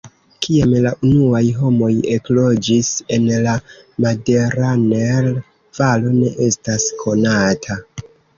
Kiam la unuaj homoj ekloĝis en la Maderaner-Valo ne estas konata.